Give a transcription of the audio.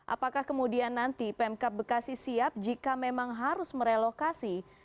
apakah kemudian nanti pemkap bekasi siap jika memang harus merelokasi